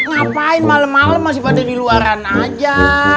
ngapain malem malem masih pada di luaran aja